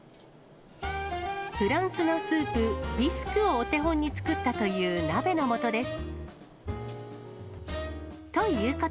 フランスのスープ、ビスクをお手本に作ったという鍋のもとです。